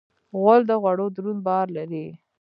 غول د غوړو دروند بار لري.